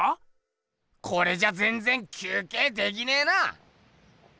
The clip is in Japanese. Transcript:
これじゃぜんぜん休けいできねえな。